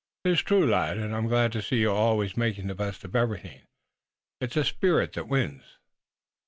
"'Tis true, lad, and I'm glad to see you always making the best of everything. It's a spirit that wins."